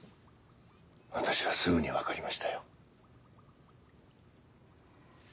私はすぐに分かりましたよ。